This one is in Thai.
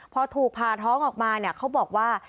พอถูกผ่าท้องออกมาเนี่ยเขาบอกว่า